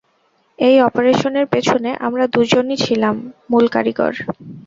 এই অপারেশনের পেছনে আমরা দুজনই ছিলাম মূল কারিগর।